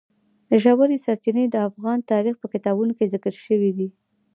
ژورې سرچینې د افغان تاریخ په کتابونو کې ذکر شوی دي.